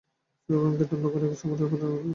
সোগানকে নতুন একজন সামুরাই পাঠানোর কথা বললেই তো হয়।